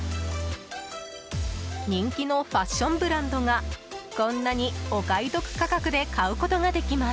人気のファッションブランドがこんなにお買い得価格で買うことができます。